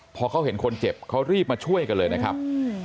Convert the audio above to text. พอเขาเห็นคนเจ็บเขารีบมาช่วยกันเลยนะครับ